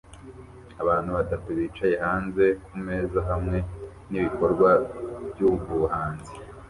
Abantu batatu bicaye hanze kumeza hamwe nibikorwa byubuhanzi